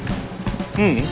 ううん。